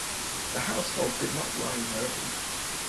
The household did not rise early.